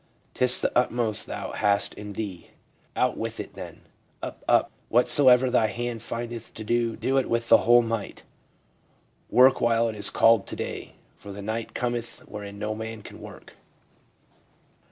'Tis the utmost thou hast in thee ; out with it then. Up ! up !" Whatsoever thy hand findeth to do, do it with thy whole might." " Work while it is called to day, for the night cometh wherein no man can work.'"